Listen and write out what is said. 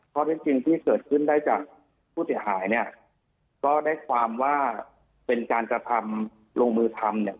ข้อเท็จจริงที่เกิดขึ้นได้จากผู้เสียหายเนี่ยก็ได้ความว่าเป็นการกระทำลงมือทำเนี่ย